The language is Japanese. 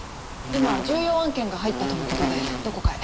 今重要案件が入ったとの事でどこかへ。